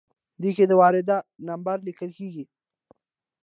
په دې کې د وارده نمبر لیکل کیږي.